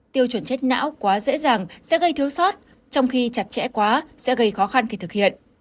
tiêu chuẩn chết não quá dễ dàng sẽ gây thiếu sót trong khi chặt chẽ quá sẽ gây khó khăn khi thực hiện